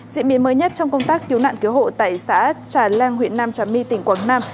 diễn biến mới nhất trong công tác cứu nạn cứu hộ tại xã trà leng huyện nam trà my tỉnh quảng nam